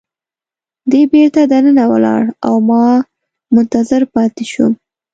دی بیرته دننه ولاړ او ما منتظر پاتې شوم.